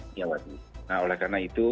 diawasi nah oleh karena itu